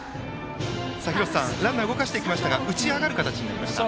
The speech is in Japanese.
廣瀬さん、ランナーを動かしてきましたが打ちあがる形になりました。